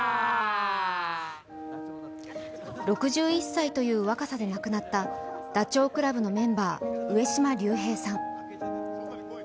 ６１歳という若さで亡くなったダチョウ倶楽部のメンバー、上島竜兵さん。